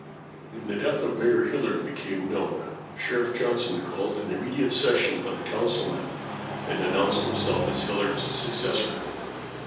When the death of Mayor Hilliard became known, Sheriff Johnson called an immediate session of the councilmen and announced himself as Hilliard's successor.